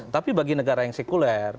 tapi bagi negara yang sekuler